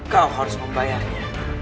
kau harus membayarnya